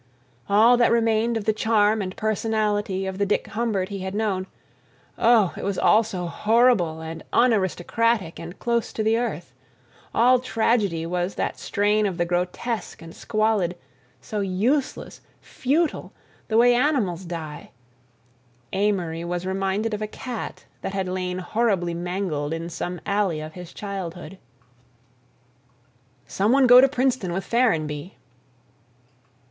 All that remained of the charm and personality of the Dick Humbird he had known—oh, it was all so horrible and unaristocratic and close to the earth. All tragedy has that strain of the grotesque and squalid—so useless, futile... the way animals die.... Amory was reminded of a cat that had lain horribly mangled in some alley of his childhood. "Some one go to Princeton with Ferrenby."